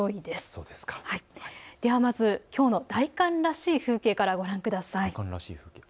ではまず、きょうの大寒らしい風景からご覧ください。